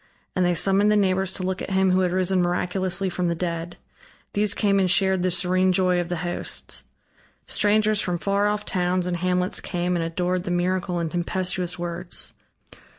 And they summoned the neighbors to look at him who had risen miraculously from the dead. These came and shared the serene joy of the hosts. Strangers from far off towns and hamlets came and adored the miracle in tempestuous words.